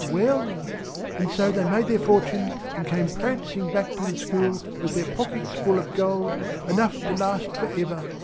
Well! And so they made their fortunes and came prancing back to the school, with their pockets full of gold, enough to last for ever.